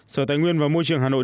sở tài nguyên và môi trường hà nội